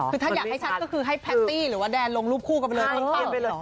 คือถ้าอยากให้ชัดก็คือให้แพตตี้หรือว่าแดนลงรูปคู่กันไปเลยเปลี่ยนไปเลย